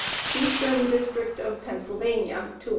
Eastern District of Pennsylvania, ss.